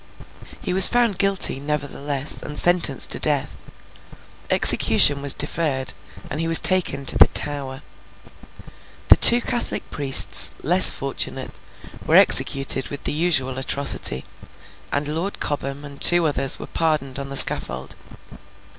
He was found guilty, nevertheless, and sentenced to death. Execution was deferred, and he was taken to the Tower. The two Catholic priests, less fortunate, were executed with the usual atrocity; and Lord Cobham and two others were pardoned on the scaffold.